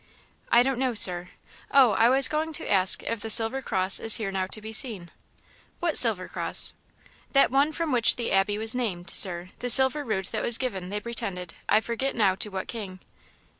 "I don't know, Sir; Oh, I was going to ask if the silver cross is here now to be seen?" "What silver cross?" "That one from which the Abbey was named, Sir; the silver rood that was given, they pretended, to I forget now what king."